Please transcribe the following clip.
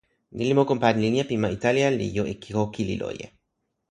ni li moku pan linja pi ma Italija li jo e ko kili loje.